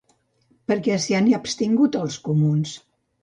Per què s'hi han abstingut els comuns?